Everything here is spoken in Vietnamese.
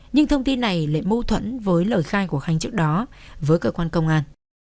nhưng thông tin này lại mâu thuẫn với lời khai của khanh trước đó với cơ quan công an